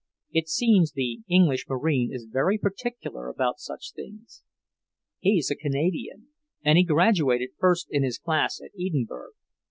It seems the English marine is very particular about such things. He's a Canadian, and he graduated first in his class at Edinburgh.